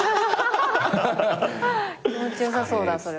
気持ち良さそうだそれは。